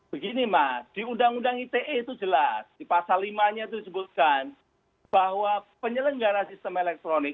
begini mas di undang undang ite itu jelas di pasal lima nya itu disebutkan bahwa penyelenggara sistem elektronik